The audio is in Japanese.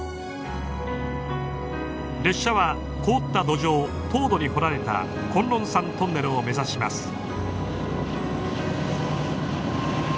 列車は凍った土壌凍土に掘られた崑崙山トンネルを目指します。